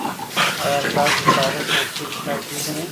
آیا تاسي د تاریخ مرصع کتاب پېژنئ؟